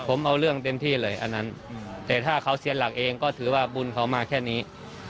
ผมเอาเรื่องเต็มที่เลยอันนั้นแต่ถ้าเขาเซียนหลักเองก็ถือว่าบุญเขามาแค่นี้